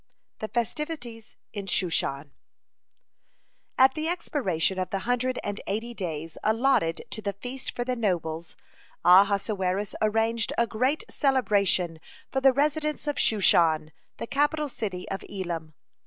(13) THE FESTIVITIES IN SHUSHAN At the expiration of the hundred and eighty days allotted to the feast for the nobles, Ahasuerus arranged a great celebration for the residents of Shushan, the capital city of Elam.